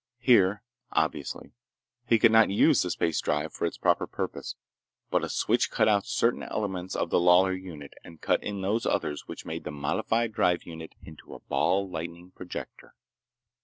Here, obviously, he could not use the space drive for its proper purpose. But a switch cut out certain elements of the Lawlor unit and cut in those others which made the modified drive unit into a ball lightning projector.